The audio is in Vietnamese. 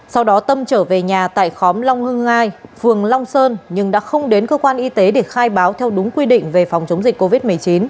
sau đó tâm trở về nhà tại khóm long hưng hai phường long sơn nhưng đã không đến cơ quan y tế để khai báo theo đúng quy định về phòng chống dịch covid một mươi chín